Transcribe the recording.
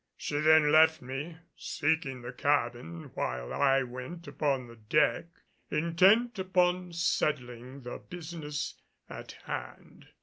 She then left me, seeking the cabin, while I went upon the deck, intent upon settling the business in hand.